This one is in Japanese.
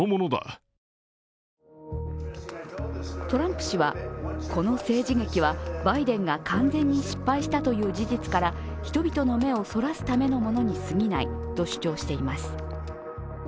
トランプ氏は、この政治劇はバイデンが完全に失敗したという事実から人々の目をそらすためのものにすぎないと主張しています。